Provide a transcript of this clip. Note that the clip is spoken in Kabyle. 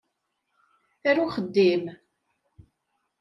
Ar uxeddim!